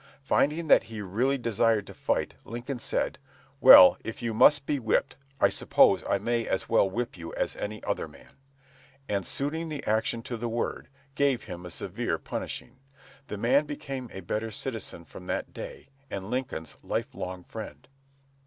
Finding that he really desired to fight, Lincoln said, "Well, if you must be whipped, I suppose I may as well whip you as any other man," and suiting the action to the word, gave him a severe punishing. The man became a better citizen from that day, and Lincoln's life long friend.